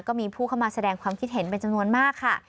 ก็มีผู้เข้ามาแสดงความคิดเห็นเป็นจำนวนมากค่ะ